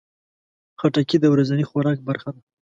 خټکی د ورځني خوراک برخه ده.